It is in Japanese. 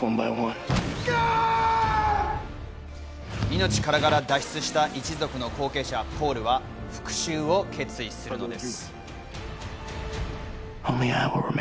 命からがら脱出した、一族の後継者・ポールは復讐を決意するのです。